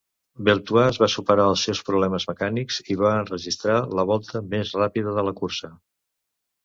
Beltoise va superar els seus problemes mecànics i va enregistrar la volta més ràpida de la cursa.